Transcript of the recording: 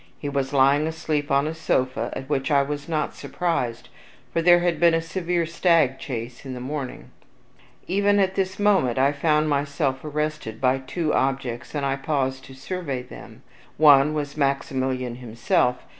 He was lying asleep on a sofa, at which I was not surprised, for there had been a severe stag chase in the morning. Even at this moment I found myself arrested by two objects, and I paused to survey them. One was Maximilian himself.